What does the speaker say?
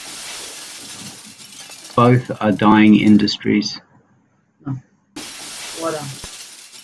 Both are dying industries.